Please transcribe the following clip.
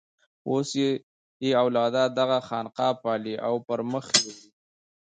اوس یې اولاده دغه خانقاه پالي او پر مخ یې وړي.